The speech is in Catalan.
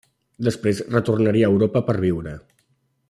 Després retornaria a Europa per viure.